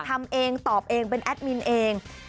ทำเองตอบเองเป็นแอดมินเอง